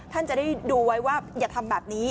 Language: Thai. ท่านจะได้ดูไว้ว่าอย่าทำแบบนี้